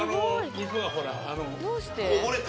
肉がほら。